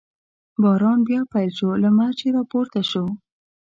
باران بیا پیل شو، لمر چې را پورته شو.